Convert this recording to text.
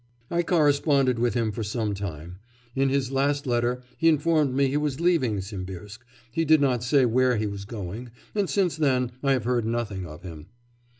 I corresponded with him for some time; in his last letter he informed me he was leaving Simbirsk he did not say where he was going and since then I have heard nothing of him.